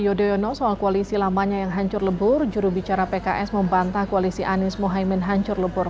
yudhoyono soal koalisi lamanya yang hancur lebur jurubicara pks membantah koalisi anies mohaimin hancur lebur